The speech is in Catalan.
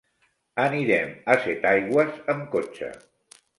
Anirem a Setaigües amb cotxe.